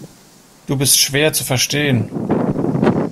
Du bist schwer zu verstehen.